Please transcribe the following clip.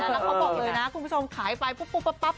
แล้วเขาบอกเลยนะคุณผู้ชมขายไปปุ๊บปุ๊บปุ๊บปุ๊บปุ๊บ